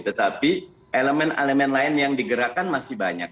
tetapi elemen elemen lain yang digerakkan masih banyak